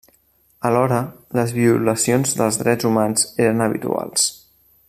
Alhora, les violacions dels drets humans eren habituals.